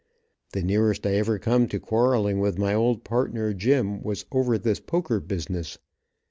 The nearest I ever come to quarreling with my old partner, Jim, was over this poker business.